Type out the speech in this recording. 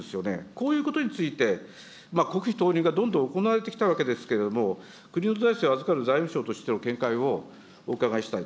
こういうことについて、国費投入がどんどん行われてきたわけですけれども、国の財政を預かる財務省としての見解をお伺いしたい。